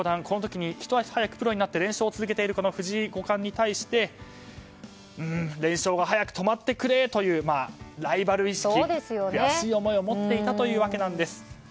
この時にひと足早くプロになって連勝を続けている藤井五冠に対して連勝が早く止まってくれというライバル意識、悔しい思いを持っていたというわけです。